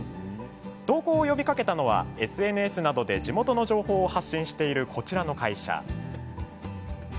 投稿を呼びかけたのはＳＮＳなどで、地元の情報を発信しているこちらの会社。